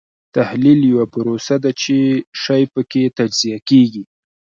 تحلیل یوه پروسه ده چې شی پکې تجزیه کیږي.